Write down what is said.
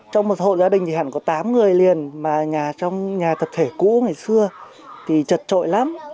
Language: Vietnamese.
trong một hộ gia đình thì hẳn có tám người liền mà nhà trong nhà tập thể cũ ngày xưa thì chật trội lắm